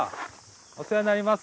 お世話になります。